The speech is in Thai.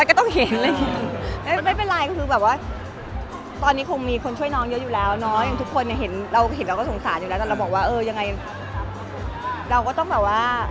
แต่ตอนนี้เราต้องหาช่วยแมวก่อนเพราะแมวร้องเมื่อวานแล้วเค้ายังไม่ออกมาไปได้